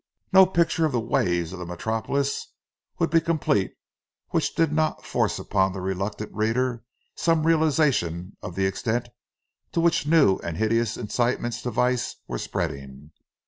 No picture of the ways of the Metropolis would be complete which did not force upon the reluctant reader some realization of the extent to which new and hideous incitements to vice were spreading.